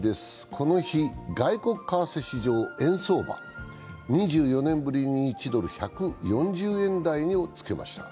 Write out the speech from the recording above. この日、外国為替市場、円相場が２４年ぶりに１ドル＝１４０円台をつけました。